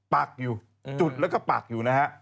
ปักอยู่จุดแล้วก็ปักอยู่นะฮะ